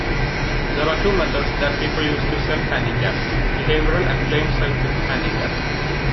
There are two methods that people use to self-handicap: behavioral and claimed self-handicaps.